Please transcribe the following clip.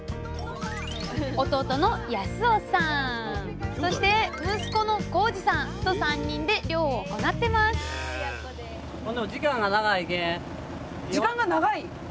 弟の康雄さんそして息子の航次さんと３人で漁を行ってますさあ